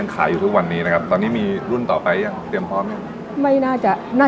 น่าหยุดต่อแล้วนะ